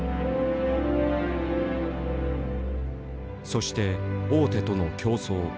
そして大手との競争。